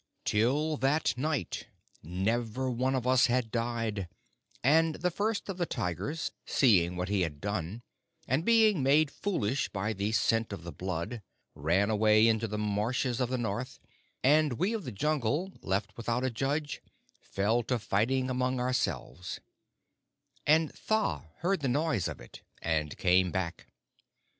"Till that night never one of us had died, and the First of the Tigers, seeing what he had done, and being made foolish by the scent of the blood, ran away into the marshes of the North, and we of the Jungle, left without a judge, fell to fighting among ourselves; and Tha heard the noise of it and came back.